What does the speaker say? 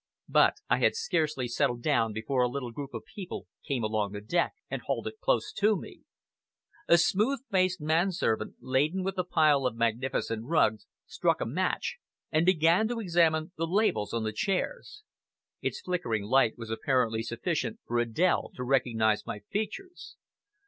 But I had scarcely settled down before a little group of people came along the deck and halted close to me. A smooth faced manservant, laden with a pile of magnificent rugs, struck a match and began to examine the labels on the chairs. Its flickering light was apparently sufficient for Adèle to recognize my features.